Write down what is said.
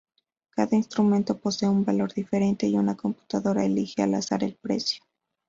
Cada instrumento posee un valor diferente y una computadora elige al azar el precio.